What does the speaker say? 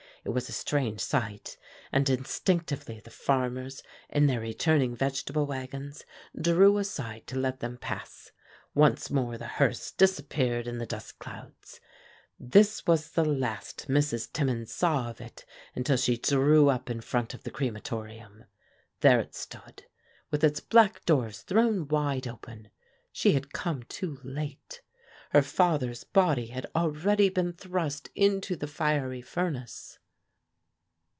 It was a strange sight, and instinctively the farmers, in their returning vegetable wagons, drew aside to let them pass. Once more the hearse disappeared in the dust clouds. This was the last Mrs. Timmins saw of it until she drew up in front of the crematorium. There it stood, with its black doors thrown wide open. She had come too late! Her father's body had already been thrust into the fiery furnace.